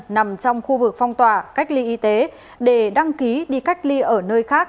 nằm trong khu vực phong tỏa cách ly y tế để đăng ký đi cách ly ở nơi khác